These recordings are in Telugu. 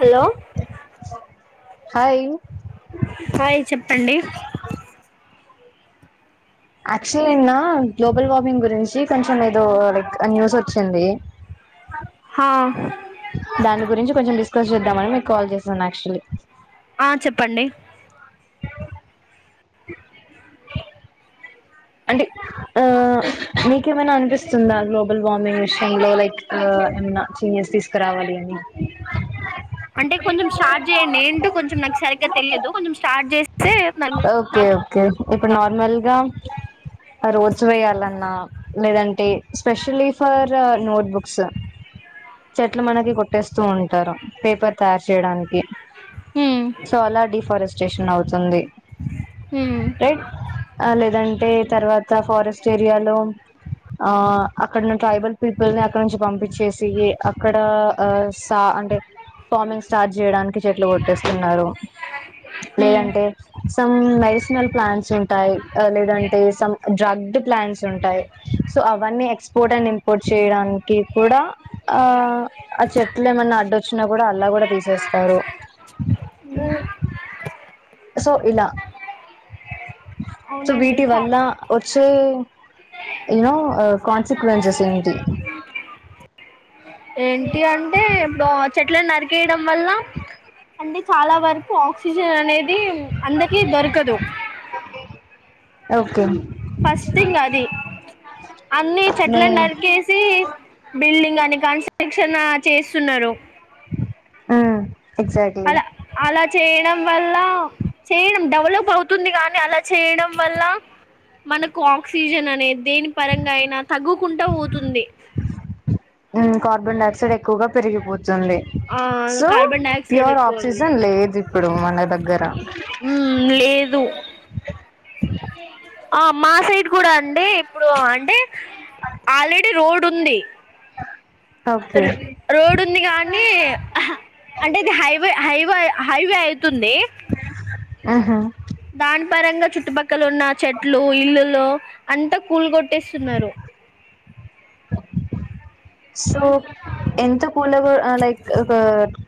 హలో హాయ్ హాయ్ చెప్పండి యాక్చూల్లీ గ్లోబల్ వార్మింగ్ గురించి కొంచెం ఏదో లైక్ న్యూస్ వచ్చింది హా దాని గురించి కొంచెం డిస్కస్ చేద్దామని మీకు కాల్ చేసాను యాక్చువల్లీ ఆ చెప్పండి [inaudible] [unintelligible] అంటే ఆ మీకేమైనా అనిపిస్తుందా గ్లోబల్ వార్మింగ్ విషయంలో లైక్ ఏమన్నా చేంజెస్ తీసుకురావాలి అని అంటే కొంచెం స్టార్ట్ చేయండి ఏంటో కొంచెం నాకు సరిగ్గా తెలియదు కొంచెం స్టార్ట్ చేస్తే ఓకే నాకు ఓకే చెప్తా రోజు వే య్యాలన్నా ఆ లేదంటే స్పెషలీ ఫర్ నోట్బుక్స్ చెట్లు మనగి కు ట్టేస్త ఉంటారు పేపర్ తయారు చేయడానికి హ్మ్ సో అలా డిఫారెస్టేషన్ అవుతు స్తుంది హ్మ్ రెట్ లేదంటే తవాత ఫారెస్ట్ ఏరియాలో ఆ అక్కడన ట్రైబల్ పీపుల్ ని అక్కడ నుంచి పంపించేసి అక్కడ ఆ సా అంటే, ఫార్మింగ్ స్టార్ట్ చేయడానికి చెట్లు కొట్టేస్తున్నారు హ్మ్ లేదంటే త్తం మెడిసినల్ ప్లాంట్స్ ఉంటాయి లేదంటే డ్రగ్డ్ ప్లాంట్స్ ఉంటాయి, సో అవన్నీ ఎక్స్పోర్ట్ అండ్ ఇంపోర్ట్ చేయడానికి కూడా ఆ ఆ చెట్లు ఏమైన్నా అడ్డొచ్చినా కూడా అలా కూడా తీసేస్తారు. సో ఇలా సో అవునండి వీటి చ వల్ల వచ్చే యూనో కాన్సిక్వెన్సెస్ ఏటి ఏంటి అంటే ఇప్పుడు చెట్లను నరికేయడం వల్ల అంటే చాలా వరకు ఆక్సిజన్ అనేది ఇది అందకి దొరకదు ఓకే ఫస్ట్ థింగ్ అది అన్ని మే చెట్లలను నరికేసి బిల్డింగ్ ఈ కాన్స్ట్రక్షన్ చేస్తున్నారు ఆ అలా అలా చేయనా వల్ చేయడం డెవలప్ అవుతుంది కానీ, అలా చేయడం వల్ల మనకు ఆక్సిజన్ అనేది దేని పరంగా అయినా తగ్గుకుంటా పోతుంది కార్బన్ డయాక్సైడ్ ఎక్కువగా పెరిగిపోతుంది ఆ సుంది so carbon dioxide pure oxygen లేదు ఇప్పుడు మనగ హ్మ్ లేదు [unintelligible] ఆ మా సైడ్ కూడా అండి ఇప్పుడు అంటే ఆల్రెడీ రోడ్ టుంది. ఓకే రోడ్ ఉంది కానీ అంటే ఇది హైవే హైవే హైవే అవుతుంది ఆహా దాన్ పరంగా చుట్టుపక్కల ఇక్కలు ఉన్న చెట్లు ఇల్లులో అంతా కూల్ కొట్టేస్తున్నారు సో ఎంత స్కల లైక్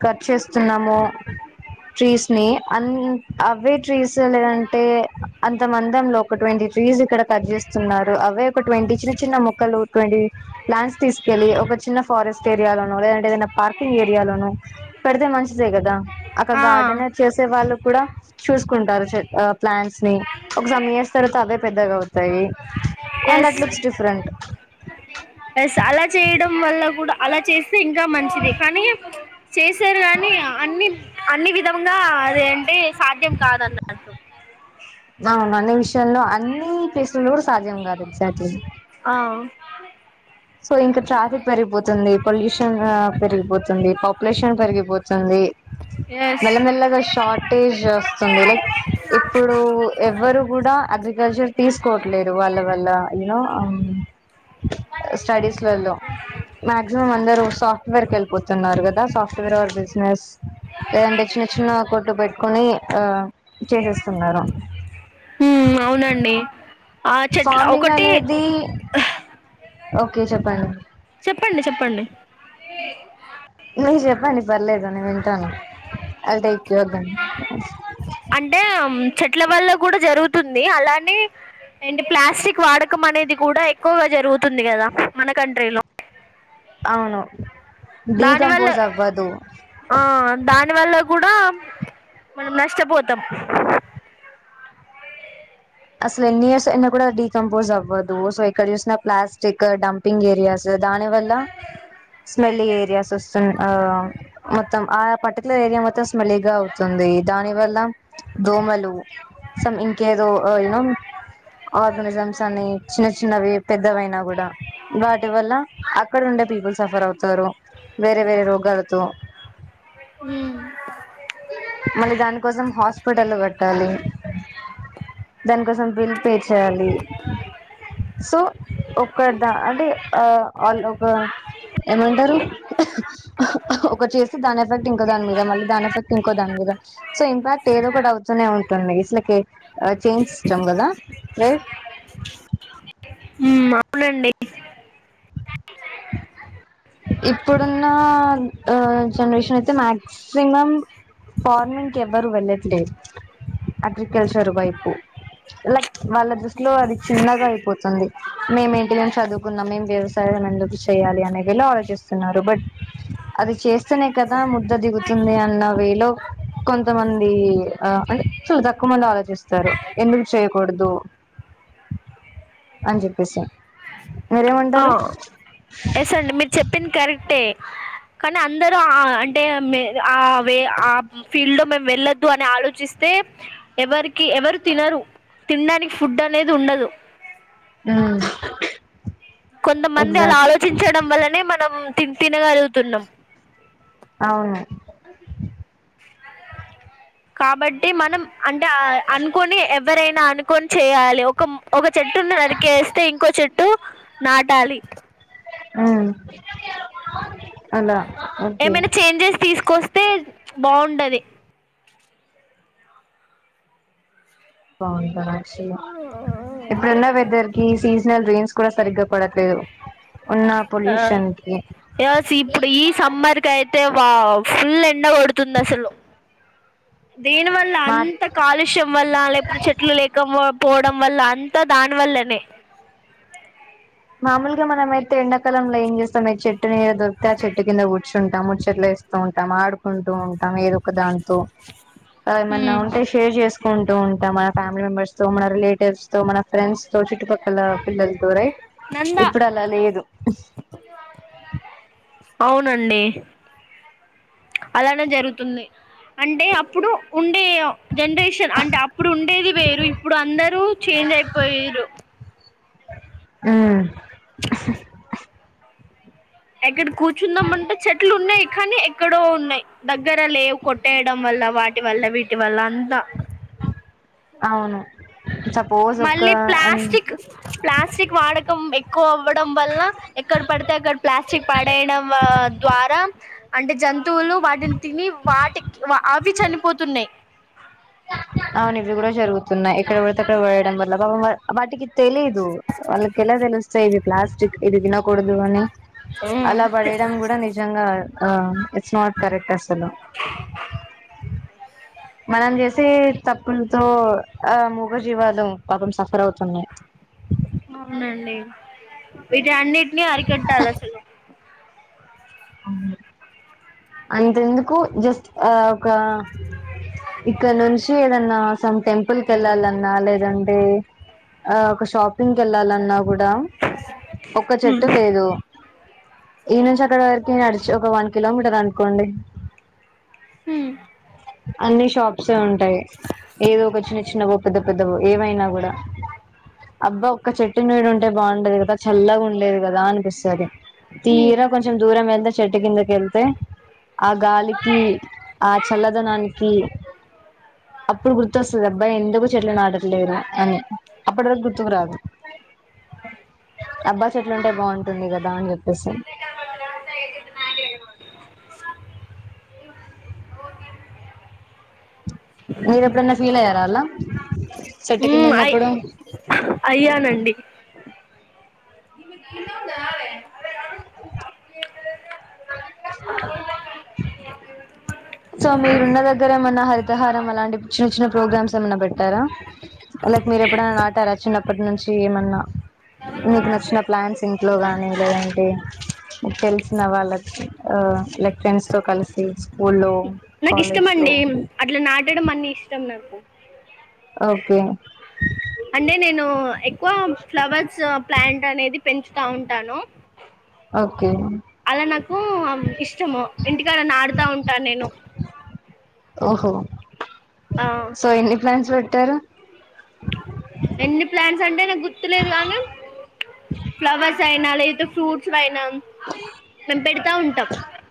కట్ చేస్తున్నాము ట్రీస్ని అం అవే ట్రీస్ లేదంటే అంత మందంలో ఒక ట్వంటీ ట్రీస్ ఇక్కడ కట్ చేస్తున్నారు అవే ఒక ట్వంటి చిన్న చిన్న మొక్కలు ట్వంటీ ప్లాంట్స్ తీస్ చెలి ఒక చిన్న ఫారెస్ట్ తేరియాల [unintelligible] ఏదన్న పార్కింగ్ ఏరియాలోను పెడ్తే మంచిదే కదా అక్క ఆ గార్డెన్ చేసే వాళ్ళు కూడా చూసుకుంటారు చె ఆ ప్లాంట్స్నీ ఒక సమ్ ఇయర్స్ తర్వాత అవే పెద్దగవుతాయి. And yes that looks different yes అలా చేయడం వల్ల కూడా అలా చేస్ స్తే ఇంకా మంచిది కానీ చేసారు గాని అన్ని అన్ని విధముగా అదేంటి సాధ్యం కాదన్నాను. అవునా నీ ఇష్ [unintelligible] అన్నీ టేస్ట్లు కూడా సాధ్యం కాదు ఎగ్జాక్ట్లీ అ సో ఇంకా ట్రాఫిక్ పెరిగిపోతుంది. పొల్యూషన్ ఆ పెరిగిపోతుంది. పాపులేషన్ పెరిగిపోతుంది. ఎస్ మెల్లమెల్లగా షార్టేజ్ వస్తుంది లైక్ ఇప్పుడు ఎవ్వరు కూడా అగ్రికల్చర్ తీస్కోవట్లేరు వాళ్ళ వల్ల యూ నో స్టడీస్ లలో మాక్సిమం అందరు సాఫ్ట్వేర్ కు వెళ్ళిపోతున్నారు కదా సాఫ్ట్వేర్ అర్ బిజినెస్ లేదంటే చిన్న చిన్న కొట్టు పెట్టుకుని ఆ చేసేస్తున్నారు ఉమ్ అవునండి ఆ చెట్ల ఫార్మింగ్ ఒకటి అనేది ఓకే చెప్పండి చెప్పండి చెప్పండి ను చెప్పండి పర్లేదు నేను వింటాను అవిల్ టేక్ [unintelligible] అంటే ఉమ్, చెట్ల వల్ల కూడా జరుగుతుంది. అలానే ఏంటి ప్లాస్టిక్ వాడకం అనేది కూడా ఎక్కువగా జరుగుతుంది కదా మన కంట్రీలో అవును దానివల్ల డీకంపోజ్ అవ్వదు ఆ దాని వల్ల కూడా మనం నష్టపోతాం అసలు ఎన్ని ఇయర్స్ అయిన కూడా డీకంపోజ్ అవ్వదు సో ఏక్కడ చూసిన ప్లాస్టిక్ డంపింగ్ ఏరియాస్ దాని వల్ల స్మెల్ ఏరియాస్ వస్తా ఆ మొత్తం ఆ పట్టు ఏరియా మొత్తం మల్లిగా అవుతుంది దాని వల్ల దోమలు సమ్ ఇంకేదో ఓయ్ నో అగు ఆనిజమ్స్ అని చిన్న చిన్నవి పెద్దవయినా కూడా వాటి వల్ల అక్కడ ఉండే పీపుల్ సఫర్ అవుతారు వేరే వేరే రోగాలు తో ఊ మళ్ళీ దాని కోసం హాస్పిటల్ లు కట్టాలి దాని కోసం బిల్ పే చేయాలి చేయాలి సో ఒకటిద అంటే ఆ ఏమంటారు ఒక చేసి దాని ఎఫెక్ట్ ఇంకో దాని మీద మళ్ళీ దానీ ఎఫెక్ట్ దాని మీద సో ఇంపాక్ట్ ఏదో ఒకటి అవుతూనే ఉంటుంది ఇసలకి చేయిజ్ ఇష్టాం కదా ట్ ఊ అవునండి ఇప్పుడున్న జనరేషన్ అయితే మ్యాగ్సిమం ఫార్మింగ్ కి ఎవరు వెళ్ళట్లేదు అగ్రికల్చర్ వైపు లైక్ వాళ్ళ దృష్టిలో అది చిన్నగా అయిపోతుంది మే ఏంటనేె చదువుకున్నాం మేం వ్యవసాయం ఎందుకు చేయాలి అనే లో ఆలోచిస్తున్నారు బట్ అది చేస్తేనే కదా ముద్ద దిగుతుంది అన్న వేలో కొంతమంది అంటే చాల తక్కువ మంది ఆలోచిస్తారు ఎందుకు చేయకూడదు అని చెప్పేసి ఆ మీరేమంటారు ఎస్ అండి మీరు చెప్పింది కరెక్టే కానీ అందరు ఆ అంటే ఆ వే ఆ ఫీల్డ్ లో మేము వెళ్ళద్దు అని ఆలోచిస్తే ఎవరికి ఎవరు తినరు తినడానికి ఫుడ్ అనేది ఉండదు. ఆ కొంతమంది అలా ఆలోచించడం వల్లనే మనం తిని తినగలుగుతున్నాం. అవును. కాబట్టి మనం అంటే అనుకొని ఎవరైనా అనుకొని చేయాలి ఒక ఒక చెట్టును నరికేస్తే ఇంకో చెట్టు నాటాలి. ఆ ఏమైనా చేంజెస్ తీసుకొస్తే త్తే బాగుండాది బ ఇప్పుడున్న వెదర్ కి సీజనల్ రైన్స్ కూడా సరిగ్గా పడట్లేదు ఉన్న ఆ పొల్యూషన్ కి యస్ ఇప్పుడు ఈ సమ్మర్కయితే అంతే వావ్ ఫుల్ ఎండ కొడుతుంది అసలు దేని వల్ల మా అంత కాలుష్యం వల్ల లేకపోతే చెట్లు లేకం పోవడం వల్ల అంతా దానివల్లనే మామూలుగ మనమైతే ఎండ కాలంలో ఏం చేస్తాం ఏ చెట్టునీడ దొరికితే ఆ చెట్టు కింద కుర్చుంటాం ముచ్చట్లు వేస్తూ ఉంటాం ఆడుకుంటూ ఉంటాం ఏదో ఒక దాంతో ఆ ఏమన్నా ఉంటే షేర్ చేసు కుంటూ ఉంటాం మన ఫ్యామిలీ మెంబర్స్ తో మన రిలేటివ్స్ తో మన ఫ్రెండ్స్ సో చుట్టుపక్కల ఫిల్డ్ అనుకోరై నందా ఇప్పుడు అలా లేదు. అవునండి. అలానే జరుగుతుంది. అంటే అప్పుడు ఉండే జనరేషన్ అంటే అప్పుడు ఉండేది వేరు ఇప్పుడు అందరూ చేంజ్ అయిపోయ్యిరు. ఊ ఎక్కడ కూర్చున్నాాం అంటే చెట్లు ఉన్నాయి కానీ ఎక్కడో ఉన్నాయి దగ్గర లేవు కొట్టేయడం వల్ల వాటి వల్ల వీటి వల్ల అంత అవును సపోజ్ మళ్ళీ ఒక ప్లాస్టిక్ ప్లాస్టిక్ వాడకం ఎక్కువ అవ్వడం వల్ల ఎక్కడ పడితే అక్కడ చి పడేయడం ద్వారా అంటే జం తువులు వాటిని తిని వాటికి అవి చనిపోతున్నాయి. తున్నాయి ఎక్కబడితే అక్కడ పడేయడం వల్ల పాపం వాటికి తెలీదు వాళ్ళకి ఎలా తెలుస్తాయి. ఇది ప్లాస్టిక్ ఇది తినకూడదు అని అలా పడేయడం కూడా నిజంగా ఆ ఇట్స్ నాట్ కరెక్ట్ అస్. అసలు. మనం జేసే తప్పులు తో ఆ ముగ జీవాలు నం పాపం సఫర్ అవుతున్నాయి. అవునండి. అన్నింటిని అరీకట్టాల అసలు అవును అంతెందుకు జస్ట్ ఆ ఒక ఇక్కడ నుంచి ఏదన్నా సమ్ టెంపుల్ కు వెళ్ళాలన్నా లేదంటే ఆ ఒక షాపింగ్ ఏళ్ళాలన్నా కూడా ఒక్క చెట్టు హ్మ్ లేదు. ఈడ్ నుంచి అక్కడ వరకు నడిచి ఒక వన్ కిలోమీటర్ అన్ కోండి. అన్ని షాప్సే ఉంటాయి ఏదో ఒక చిన్న చిన్న వో పెద్ద పెద్దవో ఏవైనా కూడా అబ్బా ఒక్క చెట్టు నీడ ఉంటే బాగుండేది కదా చల్లగా ఉం లేదు కదా అన్ ఒకసారి హ్మ్ తీరా కొంచెం దూరం వెళ్తే చెట్టు కిందకి వెళ్తే ఆ గాలికి ఆ చల్లదనానికి అప్పుడు గుర్తొస్తది. అబ్బా ఏ ఎందుకు చెట్లు నాటట్లేరు అని అప్పటి వరకు గుర్తుకు రాదు. అబ్బా చెట్లుంటే బాగుంటుంది. గాదా అని చెప్పేసి మీరెప్పుడన్నా ఫీల్ అయ్యార అలా చెట్టు కింద హ్ అయి ఉన్నప్పుడు అయ్యానండి. స నాే సో మీరున్న దగ్గర ఏమన్నా హరితహారం అలాంటి చిన్న చిన్న ప్రోగ్రామ్స్ ఏమన్నా పెట్టారా లైక్ మీరు ఎప్పుడైనా నాటారా చిన్నప్పటి నుంచి ఏమన్నా మీకు నచ్చిన ప్లాంట్స్ ఇంట్లో గాని లేదంటే మీకు తెలిసిన వాళ్ళకి ఆ లైక్ ఫ్రెండ్స్ తో కలిసి స్కూల్లో నాకు ఇష్టం కాలేజ్ లో అండి. అట్లా నాటడం అన్ని ఇష్టం నాకు ఓకే అంటే నేను ఎక్కువ ఫ్లవర్స్ ప్లాంట్ అనేది పెంచుతా ఉంటాను. ఓకే అలా నాకు ఇష్టము. ఇంటికాడ నాటుతా ఉంటాను. నేను ఓహో ఆ సో ఎన్ని ప్లాంట్స్ పెట్టారు. ఎన్ని ప్లాంట్స్ అంటే నాకు గుర్తులేదు. గానీ ఫ్లవర్స్ అయినా లేక ఫ్రూట్ పుడైనామ్ మేము పెడతా ఉంటాం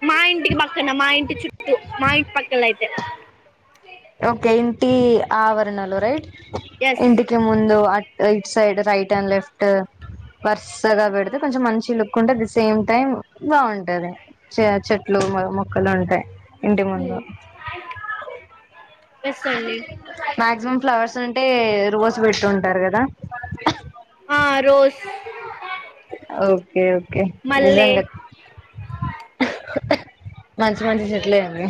మా ఇంటికి పక్కన మా ఇంటి చుట్టూ మా ఇంటి పక్కల అయితే ఏడుంటవ్ [unintelligible] ఓకే ఇంటి ఆవరణలు రైట్ ఎస్ ఇంటికి ముందు అ right side right and left వర్రసగా పెడితే కొంచెం మంచి లుక్ కుండది సేమ్ టైమ్ బాగుంటది చ చెట్లు మొక్కలు ఉంటాయి ఇంటి ముందు [unintelligible] ఎస్ అండి. మాక్సిమం ఫ్లవర్స్ అంటే రోస్ పెట్టుంటారు. గాదా చేతులు [unintelligible] ఓకే ఓ కె నిజంగా మంచి మంచి సెటిల్ అయింది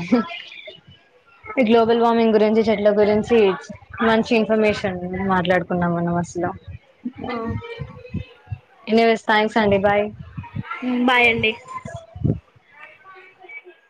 ఈ గ్లోబల్ వార్మింగ్ గురించి చెట్ల గురించి మంచి ఇన్ఫర్మేష తన గురించే మాట్లాడుకున్నాం మన మసల యస్ థాంక్స్ అండి బాయ్ ఊ బాయ్ అండి